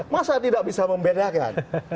masa tidak bisa membedakan